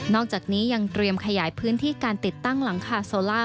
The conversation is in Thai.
อกจากนี้ยังเตรียมขยายพื้นที่การติดตั้งหลังคาโซล่า